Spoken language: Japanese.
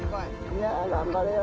いや頑張れよ。